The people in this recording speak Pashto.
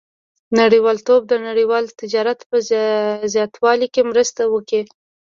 • نړیوالتوب د نړیوال تجارت په زیاتوالي کې مرسته وکړه.